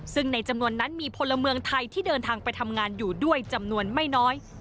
ซึ่งในจำนวนนั้นมีพลเมืองไทยที่เดินทางไปทำงานอยู่ด้วยจำนวนไม่น้อย